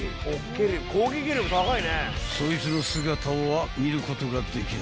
［そいつの姿は見ることができない］